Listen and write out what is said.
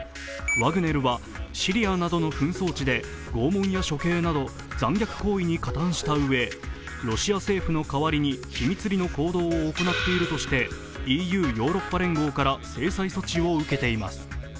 ワグネルはシリアなどの紛争地で拷問や処刑など残虐行為に加担したうえ、ロシア政府の代わりに秘密裏の行動を行っているとしてＥＵ＝ヨーロッパ連合から制裁措置を受けています。